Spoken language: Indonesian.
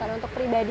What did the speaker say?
bukan untuk pribadi